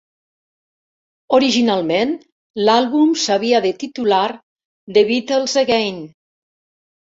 Originalment, l'àlbum s'havia de titular "The Beatles Again".